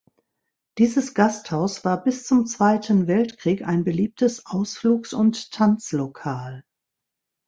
Dieses Gasthaus war bis zum Zweiten Weltkrieg ein beliebtes Ausflugs- und Tanzlokal.